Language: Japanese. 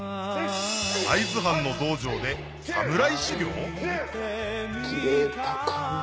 会津藩の道場で侍修行？切れたかな？